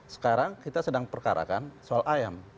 sekarang kita sedang perkarakan soal ayam